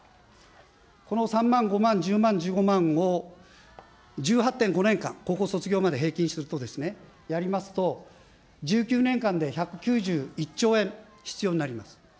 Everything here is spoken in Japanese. この３万、５万、１０万、１５万を１８．５年間、高校卒業まで平均すると、やりますと、１９年間で１９１兆円必要になります。